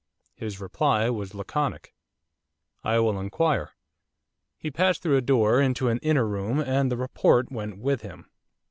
His reply was laconic. 'I will inquire.' He passed through a door into an inner room and the 'report' went with him.